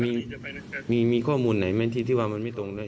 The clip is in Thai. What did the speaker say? มีข้อมูลไหนไหมที่ว่ามันไม่ตรงได้